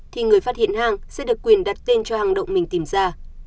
thì người phát hiện hàng sẽ được quyền đặt tên cho hang động mình tìm ra